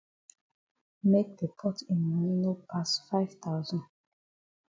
Make the pot yi moni no pass five thousand.